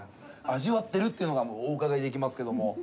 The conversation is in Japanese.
味わってるというのがおうかがいできますけど。